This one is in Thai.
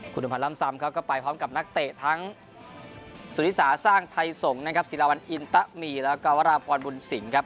คุณนมพันธุ์ลัมศรรย์เขาก็ไปพร้อมกับนักเตะทั้งสุริสาทร์สร้างไทยสงศ์ศิฬาวันอินตะมีและกาวราบวรณบุญสิงห์ครับ